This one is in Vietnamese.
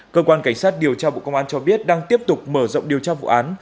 cơ quan cảnh sát điều tra bộ công an cho biết đang tiếp tục mở rộng điều tra vụ án